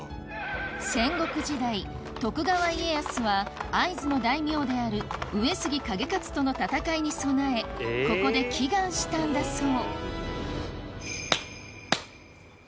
戦国時代徳川家康は会津の大名である上杉景勝との戦いに備えここで祈願したんだそう